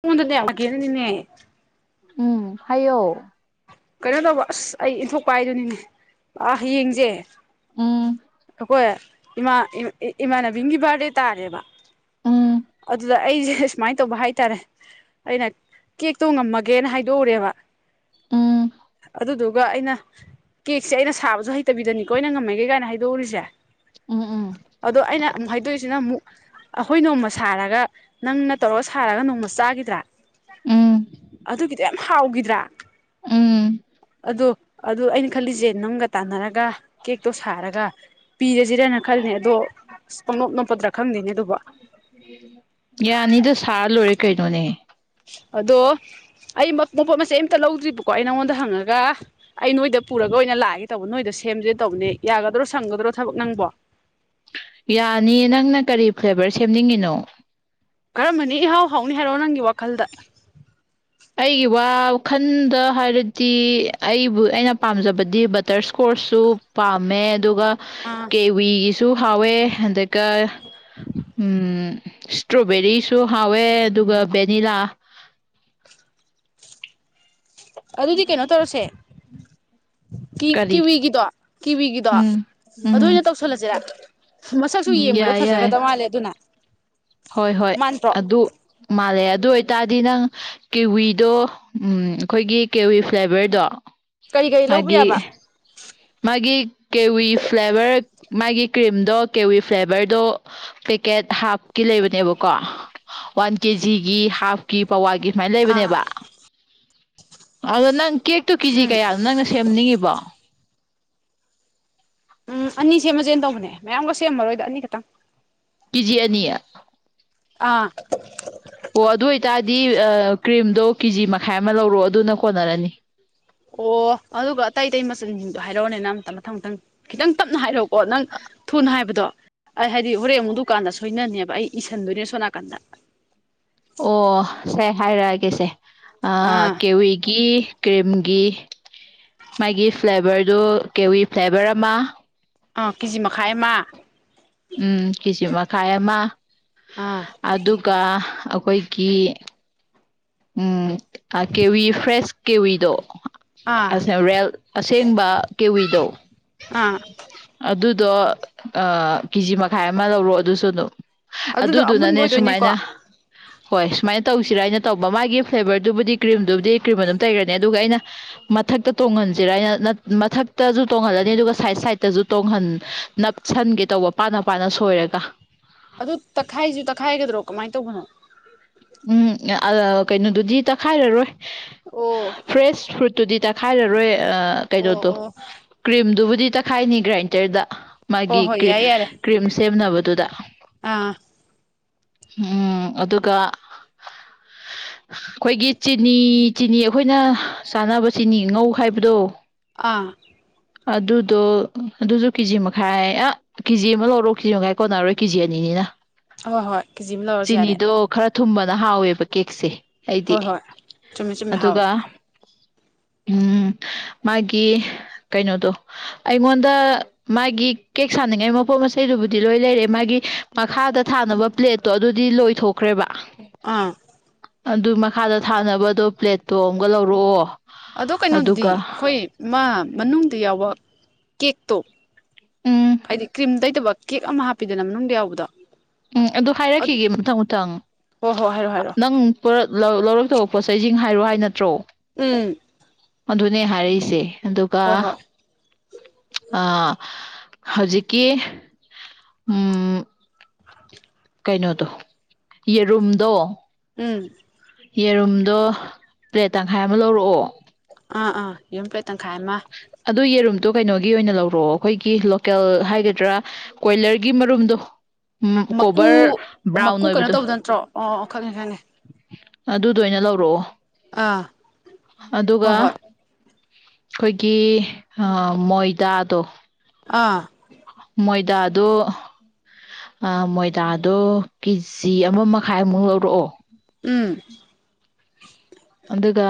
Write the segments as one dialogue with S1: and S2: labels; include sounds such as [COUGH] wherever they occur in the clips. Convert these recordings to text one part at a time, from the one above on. S1: ꯑꯩꯉꯣꯟꯗꯅꯦ [UNINTELLIGIBLE] ꯅꯤꯅꯦ
S2: ꯎꯝ ꯍꯥꯏꯌꯣ
S1: ꯀꯩꯅꯣ ꯇꯧꯕ ꯑꯁ ꯑꯩ ꯏꯟꯊꯣꯛꯄꯥ ꯍꯥꯏꯗꯨꯅꯤꯅꯦ ꯑ ꯍꯌꯦꯡꯁꯦ
S2: ꯎꯝ
S1: ꯑꯈꯣꯏ ꯏꯃꯥ ꯏꯃꯥꯟꯅꯕꯤ ꯑꯝꯒꯤ ꯕꯥꯔꯗꯦ ꯇꯥꯔꯦꯕ
S2: ꯎꯝ
S1: ꯑꯗꯨꯗ ꯑꯩꯁꯦ ꯁꯨꯃꯥꯏꯟ ꯇꯧꯕ ꯍꯥꯏꯇꯥꯔꯦ ꯑꯩꯅ ꯀꯦꯛꯇꯣ ꯉꯝꯃꯒꯦꯅ ꯍꯥꯏꯗꯣꯛꯎꯔꯦꯕ
S2: ꯎꯝ
S1: ꯑꯗꯨꯗꯨꯒ ꯑꯩꯅ ꯀꯦꯛꯁꯦ ꯑꯩꯅ ꯁꯥꯕꯁꯨ ꯍꯩꯇꯕꯤꯗꯅꯤ ꯀꯣ ꯑꯩꯅ ꯉꯝꯃꯒꯦ ꯀꯥꯏꯅ ꯍꯥꯏꯗꯣꯛꯎꯔꯤꯁꯦ
S2: ꯎꯝ ꯎꯝ
S1: ꯑꯗꯣ ꯑꯩꯅ ꯑꯃꯨꯛ ꯍꯥꯏꯗꯣꯏꯁꯤꯅ ꯑꯃꯨꯛ ꯑꯈꯣꯏ ꯅꯣꯡꯃ ꯁꯥꯔꯒ ꯅꯪꯅ ꯇꯧꯔꯒ ꯁꯥꯔꯒ ꯅꯣꯡꯃ ꯆꯥꯒꯤꯗ꯭ꯔꯥ
S2: ꯎꯝ
S1: ꯑꯗꯨꯒꯤꯗꯨ ꯌꯥꯝ ꯍꯥꯎꯒꯤꯗ꯭ꯔꯥ
S2: ꯎꯝ
S1: ꯑꯗꯨ ꯑꯗꯨ ꯑꯩꯅ ꯈꯜꯂꯤꯁꯦ ꯅꯪꯒ ꯇꯥꯟꯅꯔꯒ ꯀꯦꯛꯇꯣ ꯁꯥꯔꯒ ꯄꯤꯔꯁꯤꯔꯅ ꯈꯜꯂꯤ ꯑꯗꯣ ꯄꯪꯅꯣꯞ ꯅꯣꯞꯄꯗ꯭ꯔꯥ ꯈꯪꯗꯦꯅꯦ ꯑꯗꯨꯕꯣ
S2: [INAUDIBLE] ꯌꯥꯅꯤꯗ ꯁꯥꯔ ꯂꯣꯏꯔꯦ ꯀꯩꯅꯣꯅꯦ
S1: ꯑꯗꯣ ꯑꯩ ꯃꯄꯣꯠ ꯃꯆꯩ ꯑꯝꯇ ꯂꯧꯗ꯭ꯔꯤꯕꯀꯣ ꯑꯩ ꯅꯉꯣꯟꯗ ꯍꯪꯉꯒ ꯑꯩ ꯅꯣꯏꯗ ꯄꯨꯔꯒ ꯑꯣꯏꯅ ꯂꯥꯛꯑꯒꯦ ꯇꯧꯕ ꯅꯣꯏꯗ ꯁꯦꯝꯁꯦ ꯇꯧꯕꯅꯦ ꯌꯥꯒꯗ꯭ꯔꯣ ꯁꯪꯒꯗ꯭ꯔꯣ ꯊꯕꯛ ꯅꯪꯕꯣ
S2: ꯌꯥꯅꯤꯌꯦ ꯅꯪꯅ ꯀꯔꯤ ꯐ꯭ꯂꯦꯕꯔ ꯁꯦꯝꯅꯤꯡꯉꯤꯅꯣ
S1: ꯀꯔꯝꯕꯅꯤ ꯏꯍꯥꯎ ꯍꯥꯎꯅꯤ ꯍꯥꯏꯔꯣ ꯅꯪꯒꯤ ꯋꯥꯈꯜꯗ
S2: ꯑꯩꯒꯤ ꯋꯥꯈꯟꯗ ꯍꯥꯏꯔꯗꯤ ꯑꯩꯕꯨ ꯑꯩꯅ ꯄꯥꯝꯖꯕꯗꯤ ꯕꯇꯔ ꯏꯁꯀꯣꯔꯁꯁꯨ ꯄꯥꯝꯃꯦ ꯑꯗꯨꯒ
S1: ꯑꯥ
S2: ꯀꯦꯋꯤꯒꯤꯁꯨ ꯍꯥꯎꯋꯦ ꯑꯗꯨꯒ ꯎꯝ ꯏꯁꯇ꯭ꯔꯣꯕꯦꯔꯤꯁꯨ ꯍꯥꯎꯋꯦ ꯑꯗꯨꯒ ꯚꯦꯅꯤꯂꯥ
S1: ꯑꯗꯨꯗꯤ ꯀꯩꯅꯣ ꯇꯧꯔꯁꯦ ꯀꯤ
S2: ꯀꯔꯤ
S1: ꯀꯤꯋꯤꯒꯤꯗꯣ ꯀꯤꯋꯤꯒꯤꯗꯣ
S2: ꯎꯝ
S1: ꯑꯗꯨ
S2: ꯎꯝ
S1: ꯑꯣꯏꯅ ꯇꯧꯁꯜꯂꯁꯤꯔ ꯃꯁꯛꯁꯨ
S2: ꯎꯝ
S1: ꯌꯦꯡꯕꯗ
S2: ꯌꯥꯏ ꯌꯥꯏ
S1: ꯐꯖꯒꯗꯧ ꯃꯥꯜꯂꯦ ꯑꯗꯨꯅ
S2: ꯍꯣꯏ ꯍꯣꯏ
S1: ꯃꯥꯟꯗ꯭ꯔꯣ
S2: ꯑꯗꯨ ꯃꯥꯜꯂꯦ ꯑꯗꯨ ꯑꯣꯏꯇꯥꯔꯗꯤ ꯅꯪ ꯀꯦꯋꯤꯗꯣ ꯎꯝ ꯑꯩꯈꯣꯏꯒꯤ ꯀꯦꯋꯤ ꯐ꯭ꯂꯦꯚꯔꯗꯣ
S1: ꯀꯔꯤ ꯀꯔꯤ ꯂꯧꯕ ꯌꯥꯕ
S2: ꯃꯥꯒꯤ ꯀꯦꯋꯤ ꯐ꯭ꯂꯦꯚꯔ ꯃꯥꯒꯤ ꯀ꯭ꯔꯤꯝꯗꯣ ꯀꯦꯋꯤ ꯐ꯭ꯂꯦꯚꯔꯗꯣ ꯄꯦꯀꯦꯠ ꯍꯥꯞꯀꯤ ꯂꯩꯕꯅꯦꯕꯀꯣ ꯋꯥꯟ ꯀꯦꯖꯤꯒꯤ ꯍꯥꯞꯀꯤ ꯄꯥꯋꯥꯒꯤ ꯁꯨꯃꯥꯏꯟ
S1: ꯑꯥ
S2: ꯂꯩꯕꯅꯦꯕ ꯑꯗꯣ ꯅꯪ ꯀꯦꯛ ꯇꯨ ꯀꯤꯖꯤ
S1: ꯎꯝ
S2: ꯀꯌꯥꯅꯣ ꯅꯪꯅ ꯁꯦꯝꯅꯤꯡꯉꯤꯕꯣ
S1: ꯎꯝ ꯑꯅꯤ ꯁꯦꯝꯃꯖꯦꯅꯥ ꯇꯧꯕꯅꯦ ꯃꯌꯥꯝꯒ ꯁꯦꯝꯃꯔꯣꯏꯗ ꯑꯅꯤ ꯈꯛꯇꯪ
S2: ꯀꯤꯖꯤ ꯑꯅꯤ
S1: ꯑꯥ
S2: ꯑꯣ ꯑꯗꯨ ꯑꯣꯏꯇꯥꯔꯗꯤ ꯑꯥ ꯀ꯭ꯔꯤꯝꯗꯣ ꯀꯤꯖꯤ ꯃꯈꯥꯏ ꯑꯃ ꯂꯧꯔꯛꯑꯣ ꯑꯗꯨꯅ ꯀꯣꯟꯅꯔꯅꯤ
S1: ꯑꯣ ꯑꯗꯨꯒ ꯑꯇꯩ ꯑꯇꯩ ꯃꯆꯜꯟꯖꯤꯡꯗꯣ ꯍꯥꯏꯔꯛꯑꯣꯅꯦ ꯅꯪ ꯑꯝꯇ ꯃꯊꯪ ꯃꯊꯪ ꯈꯤꯇꯪ ꯇꯞꯅ ꯍꯥꯏꯔꯛꯎꯀꯣ ꯅꯪ ꯊꯨꯅ ꯍꯥꯏꯕꯗꯣ ꯑꯩ ꯍꯥꯏꯗꯤ ꯍꯣꯔꯦꯟ ꯑꯃꯨꯛ ꯗꯨꯀꯥꯟꯗ ꯁꯣꯏꯅꯅꯦꯕ ꯑꯩ ꯏꯁꯤꯟꯗꯣꯏꯅꯦ ꯁꯣꯝ ꯅꯥꯀꯟꯗ
S2: ꯑꯣ ꯁꯦ ꯍꯥꯏꯔꯛꯑꯒꯦꯁꯦ ꯑꯥ ꯀꯦꯋꯤꯒꯤ ꯀ꯭ꯔꯤꯝꯒꯤ ꯃꯥꯒꯤ ꯐ꯭ꯂꯦꯕꯔꯗꯨ ꯀꯦꯋꯤ ꯐ꯭ꯂꯦꯕꯔ ꯑꯃ
S1: ꯑꯥ ꯀꯤꯖꯤ ꯃꯈꯥꯢ ꯑꯃ
S2: ꯎꯝ ꯀꯦꯖꯤ ꯃꯈꯥꯢ ꯑꯃ
S1: ꯑꯥ
S2: ꯑꯗꯨꯒ ꯑꯩꯈꯣꯢꯒꯤ ꯎꯝ ꯑꯥ ꯀꯦꯋꯤ ꯐ꯭ꯔꯦꯁ ꯀꯦꯋꯤꯗꯣ ꯑꯥ ꯁꯦꯔꯦꯜ ꯑꯁꯦꯡꯕ ꯀꯦꯋꯤꯗꯣ
S1: ꯑꯥ
S2: ꯑꯗꯨꯗꯣ ꯑꯥ ꯀꯦꯖꯤ ꯃꯈꯥꯢ ꯑꯃ ꯂꯧꯔꯣ ꯑꯗꯨꯁꯨ ꯑꯗꯨꯝ
S1: ꯑꯗꯨꯗꯣ ꯑꯃꯨꯟꯕ
S2: ꯑꯗꯨꯗꯨꯅꯅꯦ
S1: ꯑꯣꯏꯗꯣꯏꯅꯦꯀꯣ
S2: ꯁꯨꯃꯥꯢꯅ ꯍꯣꯢ ꯁꯨꯃꯥꯢꯅ ꯇꯧꯁꯤꯔꯥ ꯅ ꯇꯧꯕ ꯃꯥꯒꯤ ꯐ꯭ꯂꯦꯕꯔꯗꯨꯕꯨꯗꯤ ꯀ꯭ꯔꯤꯝꯗꯨꯕꯨꯗꯤ ꯀ꯭ꯔꯤꯝ ꯑꯗꯨꯝ ꯇꯩꯒ꯭ꯔꯅꯤ ꯑꯗꯨꯒ ꯑꯩꯅ ꯃꯊꯛꯇ ꯇꯣꯡꯍꯟꯁꯤꯔꯅ ꯅꯠ ꯃꯊꯛꯇꯖꯨ ꯇꯣꯡꯍꯜꯂꯅꯤ ꯑꯗꯨꯒ ꯁꯥꯢꯗꯠ ꯁꯥꯢꯗꯠꯇꯖꯨ ꯇꯣꯡꯍꯟ ꯅꯞꯁꯟꯒꯦ ꯇꯧꯕ ꯄꯥꯅ ꯄꯥꯅ ꯁꯣꯢꯔꯒ
S1: ꯑꯗꯨ ꯇꯛꯈꯥꯢꯖꯨ ꯇꯛꯈꯥꯢꯒꯗ꯭ꯔꯣ ꯀꯃꯥꯢ ꯇꯧꯕꯅꯣ
S2: ꯎꯝ ꯑꯥ ꯑꯥ ꯀꯩꯅꯣꯗꯨꯗꯤ ꯇꯛꯈꯥꯢꯔꯔꯣꯢ
S1: ꯑꯣ
S2: ꯐ꯭ꯔꯦꯁ ꯐ꯭ꯔꯨꯠꯇꯨꯗꯤ ꯇꯛꯈꯥꯢꯔꯔꯣꯢ ꯑꯥ
S1: ꯑꯣ
S2: ꯀꯩꯅꯣꯗꯣ
S1: ꯑꯣ
S2: ꯀ꯭ꯔꯤꯝꯗꯨꯕꯨꯗꯤ ꯇꯛꯈꯥꯢꯅꯤ ꯒ꯭ꯔꯥꯢꯟꯗꯔꯗ
S1: ꯍꯣꯏ
S2: ꯃꯥꯒꯤ
S1: ꯍꯣꯏ
S2: ꯀ꯭ꯔꯤꯝ
S1: ꯌꯥꯔꯦ ꯌꯥꯔꯦ
S2: ꯀ꯭ꯔꯤꯝ ꯁꯦꯝꯅꯕꯗꯨꯗ
S1: ꯑꯥ
S2: ꯎꯝ ꯑꯗꯨꯒ [UNINTELLIGIBLE]
S1: ꯑꯥ
S2: ꯑꯗꯨꯗꯣ ꯑꯗꯨꯖꯨ ꯀꯦꯖꯤ ꯃꯈꯥꯢ ꯍꯥꯢ ꯑꯥ ꯀꯦꯖꯤ ꯑꯃ ꯂꯧꯔꯣ ꯀꯦꯖꯤ ꯃꯈꯥꯢ ꯀꯣꯟꯅꯔꯣꯢ ꯀꯦꯖꯤ ꯑꯅꯤꯅꯤꯅ
S1: ꯍꯣꯏ ꯍꯣꯏ ꯀꯦꯖꯤ ꯑꯃ ꯂꯧꯔꯁꯨ ꯌꯥꯔꯦ
S2: ꯆꯤꯅꯤꯗꯣ ꯈꯔ ꯊꯨꯝꯕꯅ ꯍꯥꯎꯋꯦꯕ ꯀꯦꯛꯁꯦ ꯑꯩꯗꯤ
S1: ꯍꯣꯏ ꯍꯣꯏ ꯆꯨꯝꯃꯦ ꯆꯨꯝꯃꯦ ꯍꯥꯎꯋꯦ
S2: ꯑꯗꯨꯒ ꯎꯝ ꯃꯥꯒꯤ ꯀꯩꯅꯣꯗꯣ ꯑꯩꯉꯣꯟꯗ ꯃꯥꯒꯤ ꯀꯦꯛ ꯁꯥꯅꯤꯡꯉꯥꯢ ꯃꯄꯣꯠ ꯃꯆꯩꯗꯨꯕꯨꯗꯤ ꯂꯣꯢ ꯂꯩꯔꯦ ꯃꯥꯒꯤ ꯃꯈꯥꯗ ꯊꯥꯅꯕ ꯄ꯭ꯂꯦꯠ ꯇꯣ ꯑꯗꯨꯗꯤ ꯂꯣꯢꯊꯣꯛꯈ꯭ꯔꯦꯕ
S1: ꯑꯥ
S2: ꯑꯗꯨ ꯃꯈꯥꯗ ꯊꯥꯅꯕꯗꯣ ꯄ꯭ꯂꯦꯠꯇꯣ ꯑꯝꯒ ꯂꯧꯔꯛꯑꯣ
S1: ꯑꯗꯣ ꯀꯩꯅꯣꯗꯨꯗꯤ
S2: ꯑꯗꯨꯒ
S1: ꯑꯩꯈꯣꯢ ꯃꯥ ꯃꯅꯨꯡꯗ ꯌꯥꯎꯕ ꯀꯦꯛꯇꯣ
S2: ꯎꯝ
S1: ꯍꯥꯢꯗꯤ ꯀ꯭ꯔꯤꯝ ꯇꯩꯗꯕ ꯀꯦꯛ ꯑꯃ ꯍꯥꯞꯄꯤꯗꯅ ꯃꯅꯨꯡꯗ ꯌꯥꯎꯕꯗꯣ
S2: ꯎꯝ ꯑꯗꯨ ꯍꯥꯢꯔꯛꯈꯤꯒꯦ ꯃꯊꯪ ꯃꯊꯪ
S1: ꯍꯣꯏ ꯍꯣꯏ ꯍꯥꯏꯔꯣ ꯍꯥꯏꯔꯣ
S2: ꯅꯪ ꯄꯣꯔꯛ ꯂꯧ ꯂꯧꯔꯛꯇꯧꯕ ꯄꯣꯠꯆꯩꯖꯤꯡ ꯍꯥꯢꯔꯛꯑꯣ ꯍꯥꯢ ꯅꯠꯇ꯭ꯔꯣ
S1: ꯎꯝ
S2: ꯑꯗꯨꯅꯦ ꯍꯑꯩꯅ ꯍꯥꯢꯔꯛꯏꯁꯦ ꯑꯗꯨꯒ
S1: ꯍꯣꯏ ꯍꯣꯏ
S2: ꯑꯥ ꯍꯧꯖꯤꯛꯀꯤ ꯎꯝ ꯀꯩꯅꯣꯗꯣ ꯌꯦꯔꯨꯝꯗꯣ
S1: ꯎꯝ
S2: ꯌꯦꯔꯨꯝꯗꯣ ꯄ꯭ꯂꯦꯠ ꯇꯪꯈꯥꯢ ꯑꯃꯥ ꯂꯧꯔꯛꯑꯣ
S1: ꯑꯥ ꯑꯥ ꯌꯦꯎꯝ ꯄ꯭ꯂꯦꯠ ꯇꯪꯈꯥꯢ ꯑꯃꯥ
S2: ꯑꯗꯨ ꯌꯦꯔꯨꯝꯗꯣ ꯀꯩꯅꯣꯒꯤ ꯑꯣꯢꯅ ꯂꯧꯔꯛꯑꯣ ꯑꯩꯈꯣꯢꯒꯤ ꯂꯣꯀꯦꯜ ꯍꯥꯢꯒꯗ꯭ꯔꯥ ꯀꯣꯢꯂꯔꯒꯤ ꯃꯔꯨꯝꯗꯣ ꯎꯝ
S1: ꯃꯀꯨ
S2: ꯀꯣꯕꯔ
S1: ꯃꯀꯨ
S2: ꯕ꯭ꯔꯥꯎꯟ
S1: ꯀꯩꯅꯣ
S2: ꯑꯣꯢꯕꯗꯨ
S1: ꯇꯧꯕꯗꯣ ꯅꯠꯇ꯭ꯔꯣ ꯑꯣ ꯈꯪꯉꯦ ꯈꯪꯉꯦ
S2: ꯑꯗꯨꯗꯣ ꯑꯣꯢꯅ ꯂꯧꯔꯛꯑꯣ
S1: ꯑꯥ
S2: ꯑꯗꯨꯒ
S1: ꯍꯣꯏ ꯍꯣꯏ
S2: ꯈꯣꯢꯒꯤ ꯑꯥ ꯃꯣꯢꯗꯥꯗꯣ
S1: ꯑꯥ
S2: ꯃꯣꯢꯗꯥꯗꯨ ꯑꯥ ꯃꯣꯏꯗꯥꯗꯨ ꯀꯦꯖꯤ ꯑꯃꯥ ꯃꯈꯥꯏꯃꯨꯛ ꯂꯧꯔꯛꯑꯣ
S1: ꯎꯝ
S2: ꯑꯗꯨꯒ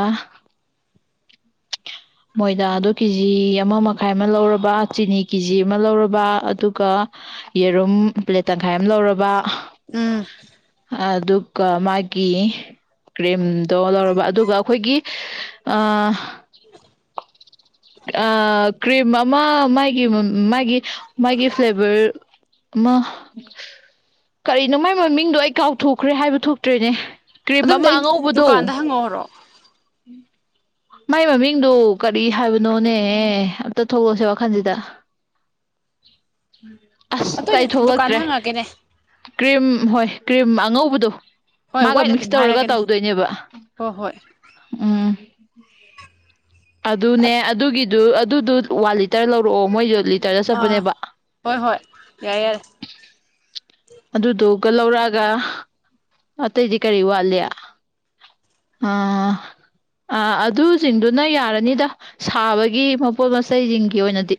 S2: ꯃꯣꯏꯗꯥꯗꯨ ꯀꯦꯖꯤ ꯑꯃꯥ ꯃꯈꯥꯏ ꯑꯃ ꯂꯧꯔꯕ ꯆꯤꯅꯤ ꯀꯦꯖꯤ ꯑꯃ ꯂꯧꯔꯕ ꯑꯗꯨꯒ ꯌꯦꯔꯨꯝ ꯄ꯭ꯂꯦꯠ ꯇꯪꯈꯥꯏ ꯑꯝ ꯂꯧꯔꯕ
S1: ꯎꯝ
S2: ꯑꯗꯨꯒ ꯃꯥꯒꯤ ꯀ꯭ꯔꯤꯝꯗꯣ ꯂꯧꯔꯕ ꯑꯗꯨꯒ ꯑꯈꯣꯏꯒꯤ ꯑꯥ ꯑꯥ ꯀ꯭ꯔꯤꯝ ꯑꯃ ꯃꯥꯒꯤ ꯃꯨ ꯃꯥꯒꯤ ꯃꯥꯒꯤ ꯐ꯭ꯂꯦꯚꯔ ꯑꯃ ꯀꯔꯤꯅꯣ ꯃꯥꯏ ꯃꯃꯤꯡꯗꯣ ꯑꯩ ꯀꯥꯎꯊꯣꯛꯈ꯭ꯔꯦ ꯍꯥꯏꯕ ꯊꯣꯛꯇ꯭ꯔꯦꯅꯦ ꯀ꯭ꯔꯤꯝ
S1: ꯑꯗꯨꯝꯗꯤ
S2: ꯑꯃ
S1: ꯑꯩ
S2: ꯑꯉꯧꯕꯗꯣ
S1: ꯗꯨꯀꯥꯟꯗ ꯍꯪꯉꯛꯑꯣꯔꯣ
S2: ꯃꯥꯏ ꯃꯃꯤꯡꯗꯣ ꯀꯔꯤ ꯍꯥꯏꯕ ꯅꯣꯅꯦꯍꯦ ꯑꯝꯇ ꯊꯣꯛꯂꯧꯁꯦ ꯋꯥꯈꯟꯖꯤꯗ ꯑꯁ
S1: ꯑꯗꯨ ꯑꯩ
S2: ꯀꯩ
S1: ꯗꯨꯀꯥꯟꯗ
S2: ꯊꯣꯂꯛꯇ꯭ꯔꯦ
S1: ꯍꯪꯉꯛꯑꯒꯦꯅꯦ
S2: ꯀ꯭ꯔꯤꯝ ꯍꯣꯏ ꯀ꯭ꯔꯤꯝ ꯑꯉꯧꯕꯗꯨ
S1: ꯍꯣꯏ
S2: ꯃꯥꯒ
S1: ꯋꯥꯏꯠ
S2: ꯃꯤꯛꯁ
S1: ꯑꯗꯨꯝ
S2: ꯇꯧꯔꯒ
S1: ꯍꯥꯏꯔꯒꯦꯅꯦ
S2: ꯇꯧꯗꯣꯏꯅꯦꯕ
S1: ꯍꯣꯏ ꯍꯣꯏ
S2: ꯎꯝ ꯑꯗꯨꯅꯦ ꯑꯠ ꯗꯨ ꯑꯗꯨꯗꯨ ꯋꯥꯟ ꯂꯤꯇꯔ ꯂꯧꯔꯛꯑꯣ ꯃꯣꯏ ꯌꯣꯜꯂꯤ
S1: ꯑꯥ ꯍꯣꯏ ꯍꯣꯏ ꯌꯥꯔꯦ ꯌꯥꯔꯦ
S2: ꯑꯗꯨꯗꯨꯒ ꯂꯧꯔꯛꯑꯒ ꯑꯇꯩꯗꯤ ꯀꯔꯤ ꯋꯥꯠꯂꯤ ꯑꯥ ꯑꯥ ꯑꯗꯨꯖꯤꯡꯗꯨꯅ ꯌꯥꯔꯅꯤꯗ ꯁꯥꯕꯒꯤ ꯃꯄꯣꯠ ꯃꯆꯩꯖꯤꯡꯒꯤ ꯑꯣꯏꯅꯗꯤ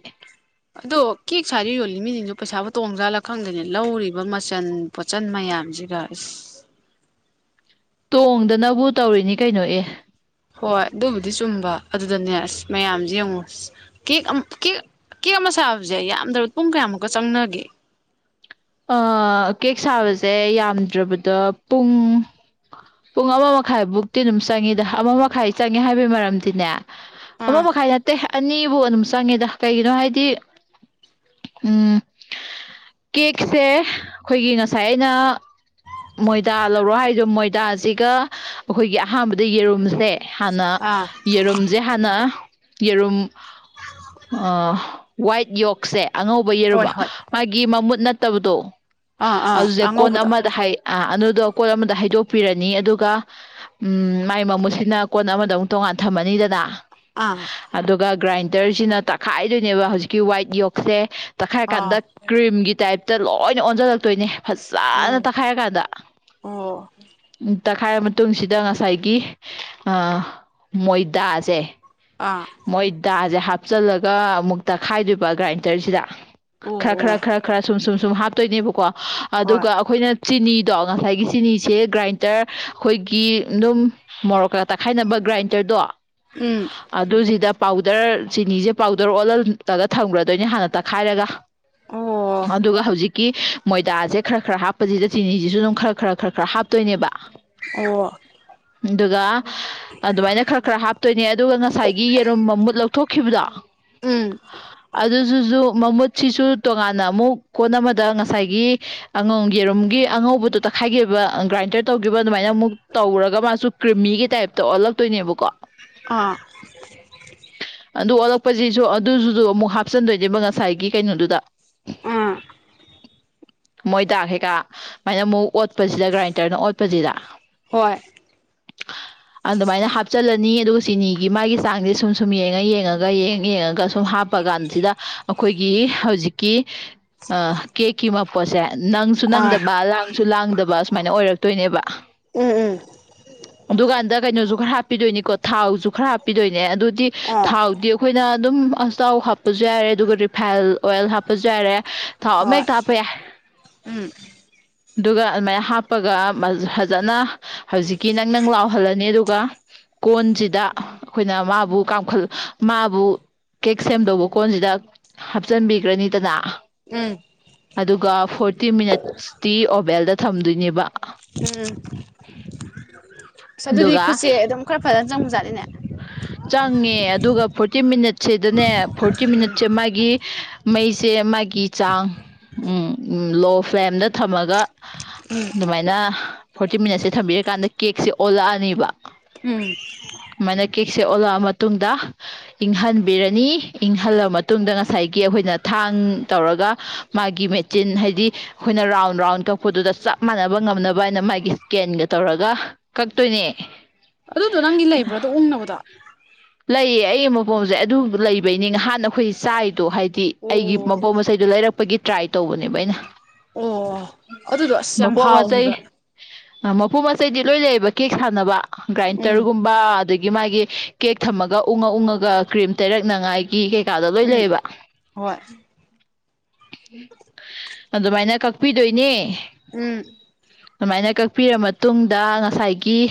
S1: ꯑꯗꯣ ꯀꯦꯛ ꯁꯥꯔꯤ ꯌꯣꯜꯂꯤ ꯃꯤꯖꯤꯡꯗꯨ ꯄꯩꯁꯥꯕꯨ ꯇꯣꯡꯖꯥꯠꯂ ꯈꯪꯗꯦꯅꯦ ꯂꯧꯔꯤꯕ ꯃꯆꯟ ꯄꯣꯠꯆꯟ ꯃꯌꯥꯝꯖꯤꯒ ꯏꯁ
S2: ꯇꯣꯡꯗꯅꯕꯨ ꯇꯧꯔꯤꯅꯤ ꯀꯩꯅꯣ ꯑꯦ
S1: ꯍꯣꯏ ꯑꯗꯨꯕꯨꯗꯤ ꯆꯨꯝꯕ ꯑꯗꯨꯗꯅꯦ ꯑꯁ ꯃꯌꯥꯝꯖꯦ ꯌꯦꯡꯉꯣ ꯀꯦꯛ ꯑꯝ ꯀꯦꯛ ꯀꯦꯛ ꯑꯃ ꯁꯥꯕꯖꯦ ꯌꯥꯝꯗ꯭ꯔꯞ ꯄꯨꯡ ꯀꯌꯥꯃꯨꯛꯀ ꯆꯪꯅꯒꯦ
S2: ꯑꯥ ꯀꯦꯛ ꯁꯥꯕꯖꯦ ꯌꯥꯝꯗ꯭ꯔꯕꯗ ꯄꯨꯡ ꯄꯨꯡ ꯑꯃ ꯃꯈꯥꯏꯕꯨꯛꯇꯤ ꯑꯗꯨꯝ ꯆꯪꯉꯤꯗ ꯑꯃ ꯃꯈꯥꯏ ꯆꯪꯉꯦ ꯍꯥꯏꯕꯩ ꯃꯔꯝꯗꯤꯅꯦ ꯑꯃ
S1: ꯑꯥ
S2: ꯃꯈꯥꯏ ꯅꯠꯇꯦ ꯑꯠ ꯑꯅꯤꯕꯨ ꯑꯗꯨꯝ ꯆꯪꯉꯦꯗ ꯀꯩꯒꯤꯅꯣ ꯍꯥꯏꯗꯤ ꯎꯝ ꯀꯦꯁꯦ ꯑꯈꯣꯏꯒꯤ ꯉꯁꯥꯏ ꯑꯩꯅ ꯃꯣꯏꯗꯥ ꯂꯧꯔꯣ ꯍꯥꯏꯗꯣ ꯃꯣꯏꯗꯥꯖꯤꯒ ꯑꯈꯣꯏꯒꯤ ꯑꯍꯥꯟꯕꯗ ꯌꯦꯔꯨꯝꯁꯦ ꯍꯥꯟꯅ
S1: ꯑꯥ
S2: ꯌꯦꯔꯨꯝꯖꯦ ꯍꯥꯟꯅ ꯌꯦꯔꯨꯝ ꯑꯥ ꯋꯥꯏꯠ ꯌꯣꯛꯁꯦ ꯑꯉꯧ ꯕ ꯌꯦꯔꯨꯝ
S1: ꯍꯣꯏ ꯍꯣꯏ
S2: ꯃꯥꯒꯤ ꯃꯃꯨꯠ ꯅꯠꯇꯕꯗꯣ
S1: ꯑꯥ ꯑꯥ
S2: ꯑꯗꯨꯖꯦ ꯀꯣꯟ
S1: ꯑꯉꯧꯕꯗꯣ
S2: ꯑꯃꯗ ꯍꯥꯏ ꯑꯥ ꯑꯗꯨꯗꯣ ꯀꯣꯜ ꯑꯃꯗ ꯍꯩꯗꯣꯛꯄꯤꯔꯅꯤ ꯑꯗꯨꯒ ꯎꯝ ꯃꯥꯏ ꯃꯃꯨꯠꯁꯤꯅ ꯀꯣꯟ ꯑꯃꯗ ꯑꯃꯨꯛ ꯇꯣꯡꯉꯥꯟ ꯊꯝꯃꯅꯤꯗꯅꯥ
S1: ꯑꯥ
S2: ꯑꯗꯨꯒ ꯒ꯭ꯔꯥꯏꯟꯗ꯭ꯔꯖꯤꯅ ꯇꯛꯈꯥꯏꯗꯨꯏꯅꯦꯕ ꯍꯧꯖꯤꯛꯀꯤ ꯋꯥꯏꯠ ꯌꯣꯛꯁꯦ ꯇꯛꯈꯥꯏꯔ
S1: ꯑꯥ
S2: ꯀꯥꯟꯗ ꯀ꯭ꯔꯤꯝꯒꯤ ꯇꯥꯏꯞꯇ ꯂꯣꯏꯅ ꯑꯣꯟꯖꯜꯂꯛꯇꯨꯢꯅꯦ ꯐꯖꯅ
S1: ꯑꯣ
S2: ꯇꯛꯈꯥꯏꯔꯀꯥꯟꯗ
S1: ꯑꯣ
S2: ꯎꯝ ꯇꯛꯈꯥꯏꯔ ꯃꯇꯨꯡꯁꯤꯗ ꯉꯁꯥꯏꯒꯤ ꯑ ꯃꯣꯏꯗꯥꯖꯦ
S1: ꯑꯥ
S2: ꯃꯣꯏꯗꯥꯖꯦ ꯍꯥꯞꯆꯜꯂꯒ ꯑꯃꯨꯛ ꯇꯛꯈꯥꯏꯗꯣꯏꯕ ꯒ꯭ꯔꯥꯏꯟꯗ꯭ꯔꯁꯤꯗ
S1: ꯑꯣ
S2: ꯈꯔ ꯈꯔ
S1: ꯑꯣ
S2: ꯈꯔ ꯈꯔ ꯁꯨꯝ ꯁꯨꯝ ꯁꯨꯝ ꯍꯥꯞꯇꯨꯏꯅꯦꯕꯀꯣ
S1: ꯍꯣꯏ
S2: ꯑꯗꯨꯒ ꯑꯈꯣꯏꯅ ꯆꯤꯅꯤꯗꯣ ꯉꯁꯥꯏꯒꯤ ꯆꯤꯅꯤꯁꯦ ꯒ꯭ꯔꯥꯏꯟꯗ꯭ꯔ ꯑꯩꯈꯣꯏꯒꯤ ꯑꯗꯨꯝ ꯃꯣꯔꯣꯛꯀꯥ ꯇꯛꯈꯥꯏꯅꯕ ꯒ꯭ꯔꯥꯏꯟꯗ꯭ꯔꯗꯣ
S1: ꯎꯝ
S2: ꯑꯗꯨꯖꯤꯗ ꯄꯥꯎꯗ꯭ꯔ ꯆꯤꯅꯤꯖꯦ ꯄꯥꯎꯗ꯭ꯔ ꯑꯣꯜꯍꯜꯂꯒ ꯊꯝꯈ꯭ꯔꯗꯣꯏꯅꯦ ꯍꯥꯟꯅ ꯇꯛꯈꯥꯏꯔꯒ
S1: ꯑꯣ
S2: ꯑꯗꯨꯒ ꯍꯧꯖꯤꯛ ꯒꯤ ꯃꯣꯏꯗꯥꯖꯦ ꯈꯔ ꯈꯔ ꯍꯥꯞꯄꯖꯥꯗ ꯆꯤꯅꯤꯖꯤꯁꯨ ꯑꯗꯨꯝ ꯈꯔ ꯈꯔ ꯈꯔ ꯈꯔ ꯍꯥꯞꯇꯣꯏꯅꯦꯕ
S1: ꯑꯣ
S2: ꯑꯗꯨꯒ ꯑꯗꯨꯃꯥꯏꯅ ꯈꯔ ꯈꯔ ꯍꯥꯞꯇꯣꯏꯅꯦ ꯑꯗꯨꯒ ꯉꯁꯥꯏꯒꯤ ꯌꯦꯔꯨꯝ ꯃꯃꯨꯠ ꯂꯧꯊꯣꯛꯈꯤꯕꯗꯣ
S1: ꯎꯝ
S2: ꯑꯗꯨꯗꯨꯁꯨ ꯃꯃꯨꯠꯁꯤꯁꯨ ꯇꯣꯉꯥꯟ ꯅ ꯑꯃꯨꯛ ꯀꯣꯟ ꯑꯃꯗ ꯉꯁꯥꯏꯒꯤ ꯑꯉꯧ ꯌꯦꯔꯨꯝꯒꯤ ꯑꯉꯧꯕꯗꯨ ꯇꯛꯈꯥꯏꯒꯤꯕ ꯑꯥ ꯒ꯭ꯔꯥꯏꯟꯗ꯭ꯔ ꯇꯧꯈꯤꯕ ꯑꯗꯨꯃꯥꯏꯅ ꯑꯃꯨꯛ ꯇꯧꯔꯒ ꯃꯥꯁꯨ ꯀ꯭ꯔꯤꯃꯤꯒꯤ ꯇꯥꯏꯞꯇ ꯑꯣꯜꯂꯛꯇꯣꯏꯅꯦꯕꯀꯣ
S1: ꯑꯥ
S2: ꯑꯗꯨ ꯑꯣꯜꯂꯛꯄꯁꯤꯁꯨ ꯑꯗꯨꯗꯨꯁꯨ ꯑꯃꯨꯛ ꯍꯥꯞꯆꯟꯗꯣꯏꯅꯦꯕ ꯉꯁꯥꯏꯒꯤ ꯀꯩꯅꯣꯗꯨꯗ
S1: ꯑꯥꯥ
S2: ꯃꯣꯏꯗꯥ ꯀꯩꯀꯥ ꯁꯨꯃꯥꯏꯅ ꯑꯃꯨꯛ ꯑꯣꯠꯄꯁꯤꯗ ꯒ꯭ꯔꯥꯏꯟꯗ꯭ꯔꯅ ꯑꯣꯠꯄꯁꯤꯗ
S1: ꯍꯣꯏ
S2: ꯑꯗꯨꯃꯥꯏꯅ ꯍꯥꯞꯆꯤꯜꯂꯅꯤ ꯑꯗꯨꯒ ꯆꯤꯅꯤꯒꯤ ꯃꯥꯒꯤ ꯆꯥꯡꯁꯦ ꯁꯨꯝ ꯁꯨꯝ ꯌꯦꯡꯉ ꯌꯦꯡꯉꯒ ꯌꯦꯡꯉ ꯌꯦꯡꯉꯒ ꯁꯨꯝ ꯍꯥꯞ ꯄꯥ ꯀꯥꯟꯁꯤꯗ ꯑꯩꯈꯣꯏꯒꯤ ꯍꯧꯖꯤꯛꯀꯤ ꯑ ꯀꯦꯛꯀꯤ ꯃꯄꯣꯠꯁꯦ ꯅꯪꯁꯨ
S1: ꯑꯥ
S2: ꯅꯪꯗꯕ ꯂꯥꯡꯁꯨ ꯂꯥꯡꯗꯕ ꯁꯨꯃꯥꯏꯅ ꯑꯣꯏꯔꯛꯇꯣꯏꯅꯦꯕ
S1: ꯎꯝ ꯎꯝ
S2: ꯑꯗꯨꯀꯥꯟꯗ ꯀꯩꯅꯣꯁꯨ ꯈ꯭ꯔꯥ ꯍꯥꯞꯄꯤꯗꯣꯏꯅꯤꯀꯣ ꯊꯥꯎꯁꯨ ꯈ꯭ꯔ ꯍꯥꯞꯄꯤꯗꯣꯏꯅꯦ ꯑꯗꯨ ꯗꯤ
S1: ꯑꯥ
S2: ꯊꯥꯎꯗꯤ ꯑꯩꯈꯣꯏꯅ ꯑꯗꯨꯝ ꯑꯆꯥꯊꯥꯎ ꯍꯥꯞꯄꯁꯨ ꯌꯥꯔꯦ ꯑꯗꯨꯒ ꯔꯤꯐꯥꯏꯟ ꯑꯣꯏꯜ ꯍꯥꯞ ꯄꯁꯨ ꯌꯥꯔꯦ ꯊꯥꯎ ꯑꯃ
S1: ꯍꯣꯏ
S2: ꯍꯦꯛꯇ ꯍꯥꯞꯄ ꯌꯥꯏ
S1: ꯎꯝ
S2: ꯑꯗꯨꯒ ꯑꯗꯨꯃꯥꯏꯅ ꯍꯥꯞꯄꯒ ꯐꯖꯅ ꯍꯧꯖꯤꯛꯀꯤ ꯅꯪꯅꯪ ꯂꯥꯎꯍꯜꯂꯅꯤ ꯑꯗꯨꯒ ꯀꯣꯟꯁꯤꯗ ꯑꯩꯈꯣꯏꯅ ꯃꯥꯕꯨ ꯀꯥꯝꯈꯜ ꯃꯥꯕꯨ ꯀꯦꯛ ꯁꯦꯝꯗꯧꯕ ꯀꯣꯟꯖꯤꯗ ꯍꯥꯞꯆꯤꯟꯕꯤ ꯒ꯭ꯔꯥꯅꯤꯗꯅ
S1: ꯎꯝ
S2: ꯑꯗꯨꯒ ꯐꯣꯔꯇꯤ ꯃꯤꯅꯠꯁꯇꯤ ꯑꯣꯚꯦꯜꯗ ꯊꯝꯗꯣꯏꯅꯦꯕ
S1: ꯎꯝ ꯑꯗꯨꯗꯤ
S2: ꯑꯗꯨꯒ
S1: ꯈꯨꯠꯁꯦ ꯑꯗꯨꯝ ꯈꯔ ꯐꯖꯅ ꯆꯪꯕꯖꯥꯠꯅꯤꯅꯦ [INAUDIBLE]
S2: ꯆꯪꯉꯦ ꯑꯗꯨꯒ ꯐꯣꯔꯇꯤ ꯃꯤꯅꯠꯁꯤꯗꯅꯦ ꯐꯣꯔꯇꯤ ꯃꯤꯅꯠꯁꯦ ꯃꯥꯒꯤ ꯃꯩꯁꯦ ꯃꯥꯒꯤ ꯆꯥꯡ ꯎꯝ ꯎꯝ ꯂꯣ ꯐ꯭ꯂꯦꯝꯗ ꯊꯝꯃꯒ
S1: ꯎꯝ
S2: ꯑꯗꯨꯃꯥꯏꯅ ꯐꯣꯔꯇꯤ ꯃꯤꯅꯠꯁꯦ ꯊꯝꯕꯤꯔꯀꯥꯟꯗ ꯀꯦꯛꯁꯦ ꯑꯣꯜꯂꯛꯑꯅꯤꯕ
S1: ꯎꯝ
S2: ꯁꯨꯃꯥꯏꯅ ꯀꯦꯛꯁꯦ ꯑꯣꯜꯂꯛꯑ ꯃꯇꯨꯡꯗ ꯏꯪꯍꯟꯕꯤꯔꯅꯤ ꯏꯪꯍꯜꯂ ꯃꯇꯨꯡꯗ ꯉꯁꯥꯏꯒꯤ ꯑꯩꯈꯣꯏꯅ ꯊꯥꯡ ꯇꯧꯔꯒ ꯃꯥꯒꯤ ꯃꯦꯆꯤꯟ ꯍꯥꯏꯗꯤ ꯑꯩꯈꯣꯏꯅ ꯔꯥꯎꯟ ꯔꯥꯎꯟ ꯀꯛꯄꯗꯨꯗ ꯆꯞ ꯃꯥꯟꯅꯕ ꯉꯝꯅꯕ ꯍꯥꯏꯅ ꯃꯥꯒꯤ ꯀꯦꯟꯒ ꯇꯧꯔꯒ ꯀꯛꯇꯣꯏꯅꯦ
S1: ꯑꯗꯣ ꯅꯪꯒꯤ ꯂꯩꯕ꯭ꯔꯥ ꯑꯗꯨ ꯎꯪꯅꯕꯗꯣ
S2: ꯂꯩꯌꯦ ꯑꯩ ꯑꯃ ꯕꯣꯜꯖꯦ ꯑꯗꯨ ꯂꯩꯕꯩꯅꯤ ꯉꯍꯥꯟꯅ ꯑꯩꯈꯣꯏ ꯆꯥꯔꯤꯗꯣ ꯍꯥꯏꯗꯤ ꯑꯩꯒꯤ
S1: ꯑꯣ
S2: ꯃꯄꯣ ꯃꯆꯩꯗꯣ ꯂꯩꯔꯛꯄꯒꯤ ꯇ꯭ꯔꯥꯏ ꯇꯧꯕꯅꯦꯕ ꯑꯩꯅ
S1: ꯑꯣ ꯑꯗꯨꯗꯣ ꯑꯁ ꯌꯥꯝ
S2: ꯃꯄꯣ ꯃꯆꯩ
S1: ꯍꯥꯎꯈꯤꯕ
S2: ꯑꯥ ꯃꯄꯣ ꯃꯆꯩꯗꯤ ꯂꯣꯏ ꯂꯩꯌꯦꯕ ꯀꯦꯛ ꯁꯥꯟꯅꯕ
S1: ꯎꯝ
S2: ꯒ꯭ꯔꯥꯏꯟꯇꯔꯒꯨꯝ ꯕ ꯑꯗꯒꯤ ꯃꯥꯒꯤ ꯀꯦꯛ ꯊꯝꯃꯒ ꯎꯡꯉꯥ ꯎꯡꯉꯥꯒ ꯀ꯭ꯔꯤꯝ ꯇꯩꯔꯛꯅꯉꯥꯏ ꯀꯤ ꯀꯩꯀꯥꯗꯣ ꯂꯣꯏ
S1: ꯎꯝ
S2: ꯂꯩꯌꯦꯕ
S1: ꯍꯣꯏ
S2: ꯑꯗꯨꯃꯥꯏꯅ ꯀꯛꯄꯤꯗꯣꯏꯅꯦ
S1: ꯎꯝ
S2: ꯑꯗꯨꯃꯥꯏꯅ ꯀꯛꯄꯤꯔ ꯃꯇꯨꯡꯗ ꯉꯁꯥꯏꯒꯤ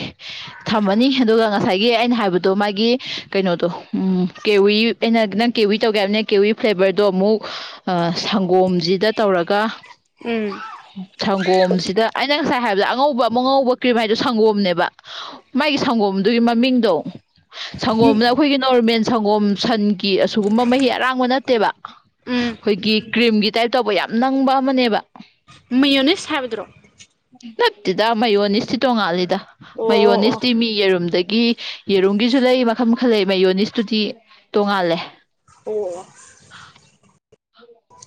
S2: ꯊꯝꯃꯅꯤ ꯑꯗꯨꯒ ꯉꯁꯥꯏꯒꯤ ꯑꯩꯅ ꯍꯥꯏꯕꯗꯣ ꯃꯥꯒꯤ ꯀꯩꯅꯣꯗꯣ ꯎꯝ ꯀꯦꯋꯤ ꯑꯩꯅ ꯅꯪ ꯀꯦꯋꯤ ꯇꯧꯒꯦ ꯍꯥꯏꯕꯅꯦ ꯀꯦꯋꯤ ꯐ꯭ꯂꯦꯕꯔꯗꯣ ꯑꯃꯨꯛ ꯑ ꯁꯪꯒꯣꯝꯖꯤꯗ ꯇꯧꯔꯒ
S1: ꯎꯝ
S2: ꯁꯪꯒꯣꯝꯁꯤꯗ ꯑꯩꯅ ꯉꯁꯥꯏ ꯍꯥꯏꯕꯗ ꯑꯉꯧꯕ ꯑꯃꯉꯧꯕ ꯀ꯭ꯔꯤꯝ ꯍꯥꯏꯗꯣ ꯁꯪꯒꯣꯝꯅꯦꯕ ꯃꯥꯒꯤ ꯁꯪꯒꯣꯝꯗꯨꯒꯤ ꯃꯃꯤꯡꯗꯣ ꯁꯪꯒꯣꯝꯅ ꯑꯈꯣꯏꯒꯤ ꯅꯣꯔꯃꯦꯜ ꯁꯪꯒꯣꯝ ꯁꯟ ꯀꯤ ꯑꯁꯤꯒꯨꯝꯕ ꯃꯍꯤ ꯑꯔꯥꯡꯕ ꯅꯠꯇꯦꯕ
S1: ꯎꯝ
S2: ꯈꯣꯏꯒꯤ ꯀ꯭ꯔꯤꯝꯒꯤ ꯇꯥꯏꯞ ꯇꯧꯕ ꯌꯥꯝ ꯅꯪꯕ ꯑꯃꯅꯦꯕ
S1: ꯃꯌꯣꯟ ꯅꯦꯁ ꯁꯥꯢꯕꯗ꯭ꯔꯣ
S2: ꯅꯛꯇꯦꯗ ꯃꯌꯣꯟꯅꯤꯁꯇꯤ ꯇꯣꯡꯉꯥꯂꯤꯗ
S1: ꯑꯣ ꯑꯣ ꯑꯣ
S2: ꯃꯌꯣꯟꯅꯤꯁꯇꯤ ꯃꯤ ꯌꯦꯔꯨꯝ ꯑꯗꯒꯤ ꯌꯦꯔꯨꯝꯒꯤꯁꯨ ꯂꯩ ꯃꯈꯜ ꯃꯈꯜ ꯂꯩ ꯃꯌꯣꯅꯤꯁꯇꯨꯗꯤ ꯇꯣꯡꯉꯥꯜꯂꯦ
S1: ꯑꯣ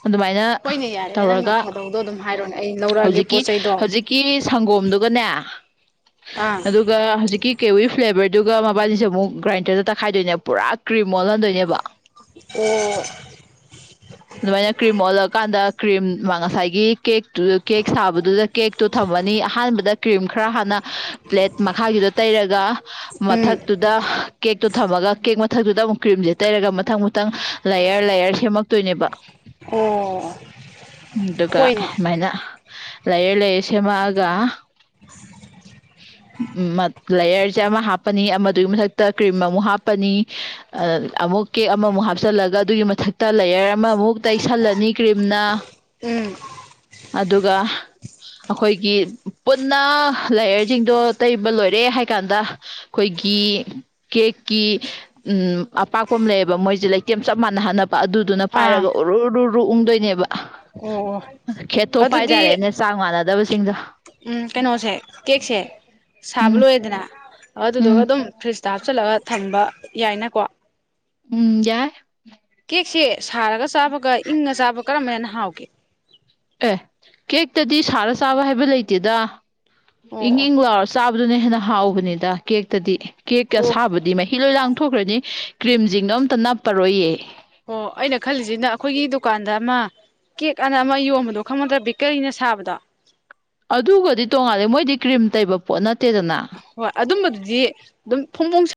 S2: ꯑꯗꯨꯃꯥꯏꯅ
S1: ꯍꯣꯏꯅꯦ ꯌꯥꯔꯦꯅꯦ ꯅꯪꯅ
S2: ꯇꯧꯔꯒ
S1: ꯐꯥꯗꯧꯗꯣ ꯑꯗꯨꯝ ꯍꯥꯏꯔꯣꯅꯦ ꯑꯩ ꯂꯧꯔꯛꯑꯒꯦ ꯄꯣꯠ ꯆꯩꯗꯣ
S2: ꯀꯤꯔꯤ ꯁꯪꯒꯣꯝꯗꯨꯒꯅꯦ
S1: ꯑꯥ
S2: ꯑꯗꯨꯒ ꯍꯧꯖꯤꯛꯀꯤ ꯀꯦꯋꯤ ꯐ꯭ꯂꯦꯕꯔꯗꯨꯒ ꯃꯕꯥꯅꯤꯁꯦ ꯑꯃꯨꯛ ꯒ꯭ꯔꯥꯏꯟꯗꯔꯗ ꯇꯛꯈꯥꯏꯗꯣꯏꯅꯦ ꯄꯨꯔꯥ ꯀ꯭ꯔꯤꯝ ꯑꯣꯜꯍꯟꯗꯣꯏꯅꯦꯕ
S1: ꯑꯣ
S2: ꯑꯗꯨꯃꯥꯏꯅ ꯀ꯭ꯔꯤꯝ ꯑꯣꯜꯂꯛꯀꯥꯟꯗ ꯀ꯭ꯔꯤꯝ ꯃꯥ ꯉꯁꯥꯏꯒꯤ ꯀꯦꯛꯇꯨ ꯀꯦꯛ ꯁꯥꯕꯗꯨꯗ ꯀꯦꯛꯇꯣ ꯊꯝꯃꯅꯤ ꯑꯍꯥꯟꯕꯗ ꯀ꯭ꯔꯤꯝ ꯈꯔ ꯍꯥꯟꯅ ꯄ꯭ꯂꯦꯠ ꯃꯈꯥꯒꯤꯗꯣ ꯇꯩꯔꯒ
S1: ꯎꯝ
S2: ꯃꯊꯛ ꯇꯨꯗ ꯀꯦꯛꯇꯨ ꯊꯝꯃꯒ ꯀꯦꯛ ꯃꯊꯛꯇꯨꯗ ꯑꯃꯨꯛ ꯀ꯭ꯔꯤꯝꯁꯦ ꯇꯩꯔꯒ ꯃꯊꯪ ꯃꯊꯪ ꯂꯥꯏꯌꯔ ꯂꯥꯏꯌꯔ ꯁꯦꯝꯃꯛ ꯇꯣꯏꯅꯦꯕ
S1: ꯑꯣ
S2: ꯑꯗꯨꯒ
S1: ꯍꯣꯏꯅꯦ
S2: ꯃꯥꯏꯅ ꯂꯌꯔ ꯂꯌꯔ ꯁꯦꯃꯛꯑꯒ
S1: [INAUDIBLE]
S2: ꯃꯠ ꯂꯌꯔꯁꯦ ꯑꯃ ꯍꯥꯞꯄꯅꯤ ꯑꯃꯗꯨꯒꯤ ꯃꯊꯛꯇ ꯀ꯭ꯔꯤꯝ ꯑꯃꯨꯛ ꯍꯥꯞꯄꯅꯤ ꯑ ꯑꯃꯨꯛ ꯀꯦꯛ ꯑꯃꯃꯨꯛ ꯍꯥꯞꯆꯜꯂꯒ ꯑꯗꯨꯒꯤ ꯃꯊꯛꯇ ꯂꯦꯌꯔ ꯑꯃꯃꯨꯛ ꯇꯩꯁꯜꯂꯅꯤ ꯀ꯭ꯔꯤꯝꯅ
S1: ꯎꯝ
S2: ꯑꯗꯨꯒ ꯑꯈꯣꯏꯒꯤ ꯄꯨꯟꯅ ꯂꯥꯏꯌꯔꯖꯤꯡꯗꯣ ꯇꯩꯕ ꯂꯣꯏꯔꯦ ꯍꯥꯏ ꯀꯥꯟꯗ ꯈꯣꯏꯒꯤ ꯀꯦꯛꯀꯤ ꯎꯝ ꯑꯄꯥꯛꯄ ꯑꯃ ꯂꯩꯌꯦꯕ ꯃꯣꯏꯁꯦ ꯂꯩꯇꯦꯝ ꯆꯞ ꯃꯥꯟꯅ ꯍꯟꯅꯕ ꯄꯥ ꯑꯗꯨꯗꯨꯅ
S1: ꯑꯥ
S2: ꯄꯥꯏꯔꯒ ꯎꯔꯨ ꯔꯨ ꯔꯨ ꯎꯪꯗꯣꯏꯅꯦꯕ
S1: ꯑꯣ ꯑꯣ
S2: ꯈꯦꯠꯇꯣꯛ ꯄꯥꯏ
S1: ꯑꯗꯨꯗꯤ
S2: ꯇꯔꯦꯅꯦ ꯆꯥꯡ ꯃꯥꯟꯅꯗꯕꯁꯤꯡꯗꯣ
S1: ꯎꯝ ꯀꯩꯅꯣꯁꯦ ꯀꯦꯛꯁꯦ ꯁꯥꯕ
S2: ꯎꯝ
S1: ꯂꯣꯏꯔꯦꯗꯅ
S2: ꯎꯝ
S1: ꯑꯗꯨꯗꯨꯒ ꯑꯗꯨꯝ ꯐ꯭ꯔꯤꯖ ꯐꯤꯁꯇ ꯍꯥꯞꯆꯟꯂꯒ ꯊꯝꯕ ꯌꯥꯏꯅꯀꯣ
S2: ꯎꯝ ꯌꯥꯏ
S1: ꯀꯦꯛꯁꯦ ꯁꯥꯔꯒ ꯆꯥꯕꯒ ꯏꯪꯉ ꯆꯥꯕ ꯀꯔꯝꯕ ꯍꯦꯟ ꯍꯥꯎꯒꯦ
S2: ꯑꯦ ꯀꯦꯛꯇꯗꯤ ꯁꯥꯔ ꯆꯥꯕ ꯍꯥꯏꯕ ꯂꯩꯇꯦꯗ ꯏꯪ
S1: ꯑꯣ ꯑꯣ
S2: ꯏꯪ ꯂꯥꯎꯔ ꯆꯥ ꯑꯗꯨꯅ ꯍꯦꯟꯅ ꯍꯥꯎꯕꯅꯤꯗ ꯀꯦꯛꯇꯗꯤ ꯀꯦꯛ
S1: ꯑꯣ
S2: ꯑꯁꯥꯕꯗꯤ ꯃꯍꯤ ꯂꯣꯏ ꯂꯥꯡꯊꯣꯛꯈ꯭ꯔꯅꯤ ꯀ꯭ꯔꯤꯝꯖꯤꯡꯗꯣ ꯑꯝꯇ ꯅꯞꯄꯔꯣꯏꯌꯦ
S1: ꯑꯣ ꯑꯩꯅ ꯈꯜꯂꯤꯁꯤꯅ ꯑꯈꯣꯏꯒꯤ ꯗꯨꯀꯥꯟꯗ ꯑꯃ ꯀꯦꯛ ꯑꯅ ꯑꯃ ꯌꯣꯟꯕꯗꯣ ꯈꯪꯉꯗ꯭ꯔꯥ ꯕꯦꯀꯔꯤꯅ ꯁꯥꯕꯗꯣ
S2: ꯑꯗꯨꯒꯗꯤ ꯇꯣꯡꯉꯥꯂꯦ ꯃꯣꯏꯗꯤ ꯀ꯭ꯔꯤꯝ ꯇꯩꯕ ꯄꯣꯠ ꯅꯠꯇꯦꯗꯅ
S1: ꯍꯣꯏ ꯑꯗꯨꯝꯕꯗꯨꯗꯤ ꯑꯗꯨꯝ ꯐꯣꯡꯐꯣꯡ ꯁꯥ